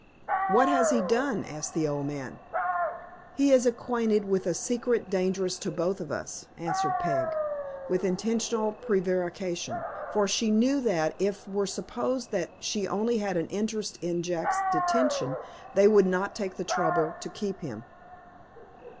"What has he done?" asked the old man. "He is acquainted with a secret dangerous to both of us," answered Peg, with intentional prevarication; for she knew that, if it were supposed that she only had an interest in Jack's detention, they would not take the trouble to keep him.